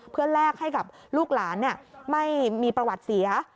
เพื่อแลกให้กับลูกหลานไม่มีประวัติเสีย